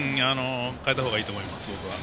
代えたほうがいいと思います、僕は。